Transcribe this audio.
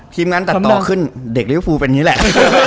ทีมงานตัดต่อขึ้นเด็กริวฟูเป็นนี้แหละ